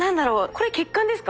これ血管ですか？